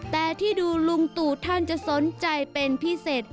แต่ที่ดูลุงตู่ท่านจะสนใจเป็นพิเศษ